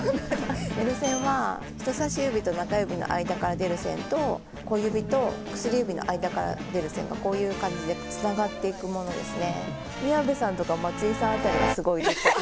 エロ線は人さし指と中指の間から出る線と小指と薬指の間から出る線がこういう感じでつながっていくものですね。